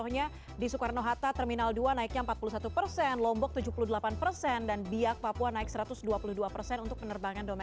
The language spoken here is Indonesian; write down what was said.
pak alvin selamat malam